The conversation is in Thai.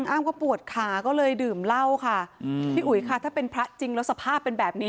อ้างว่าปวดขาก็เลยดื่มเหล้าค่ะอืมพี่อุ๋ยค่ะถ้าเป็นพระจริงแล้วสภาพเป็นแบบนี้